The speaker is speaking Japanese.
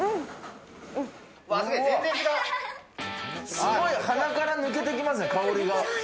すごい鼻から抜けていきますね、香りが。